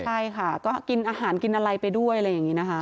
ใช่ค่ะก็กินอาหารกินอะไรไปด้วยอะไรอย่างนี้นะคะ